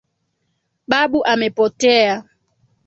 Babu amepotea